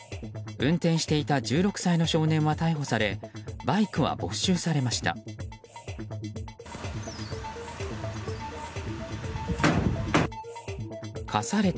運転していた１６歳の少年は逮捕されバイクは没収されました。